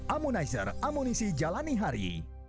ammunizer amunisi jalani hari